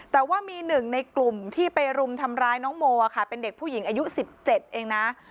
แต่ว่ามีหนึ่งในกลุ่มที่ไปรุมทำร้ายน้องโมค่ะเป็นเด็กผู้หญิงอายุ๑๗เองนะ